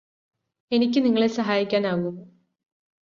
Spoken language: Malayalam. എനിക്ക് നിങ്ങളെ സഹായിക്കാനാകുമോ